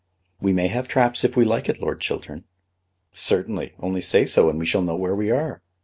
"We may have traps if we like it, Lord Chiltern." "Certainly; only say so, and we shall know where we are."